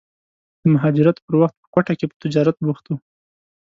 د مهاجرت پر وخت په کوټه کې په تجارت بوخت و.